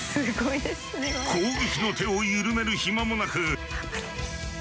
攻撃の手を緩める暇もなく。